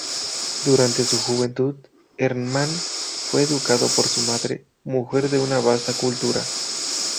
Durante su juventud, Hermann fue educado por su madre, mujer de una vasta cultura.